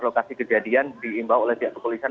lokasi kejadian diimbau oleh pihak kepolisian